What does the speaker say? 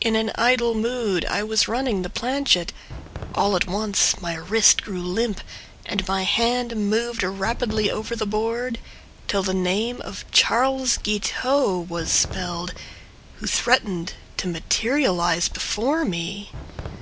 In an idle mood I was running the planchette— All at once my wrist grew limp, And my hand moved rapidly over the board, 'Till the name of "Charles Guiteau" was spelled, Who threatened to materialize before me.